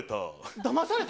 だまされた。